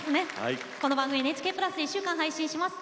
この番組ＮＨＫプラスで１週間配信します。